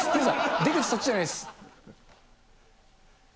出口そっちじゃないです。